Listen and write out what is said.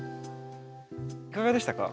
いかがでしたか？